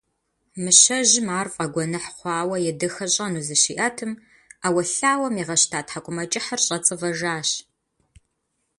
Мыщэжьым ар фӀэгуэныхь хъуауэ едэхэщӀэну зыщиӀэтым, Ӏэуэлъауэм игъэщта ТхьэкӀумэкӀыхьыр, щӀэцӀывэжащ.